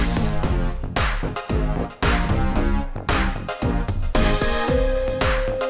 ini blueberry cheesecakenya yang favoritnya sini